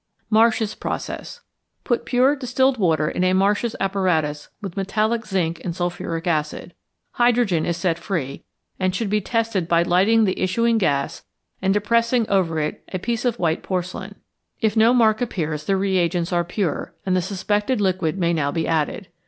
Marsh's Process. Put pure distilled water into a Marsh's apparatus with metallic zinc and sulphuric acid. Hydrogen is set free, and should be tested by lighting the issuing gas and depressing over it a piece of white porcelain. If no mark appears, the reagents are pure, and the suspected liquid may now be added.